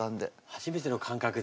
初めての感覚で。